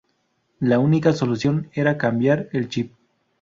La única solución era cambiar el chip.